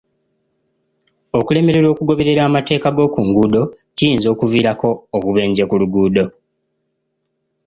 Okulemererwa okugoberera amateeka g'oku nguudo kiyinza okuviirako obubenje ku luguudo.